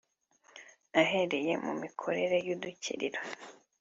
ahereye ku mikorere y’udukiriro